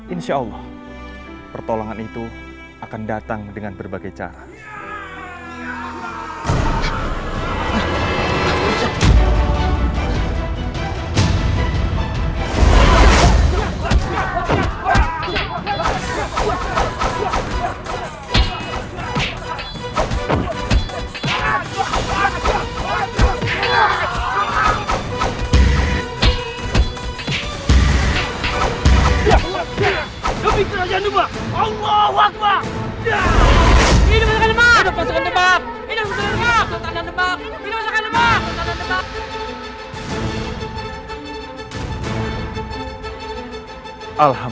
insya allah pertolongan itu akan datang dengan berbagai cara